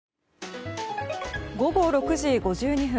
午後６時５２分。